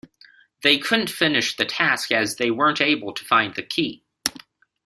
They couldn't finish the task as they weren't able to find the key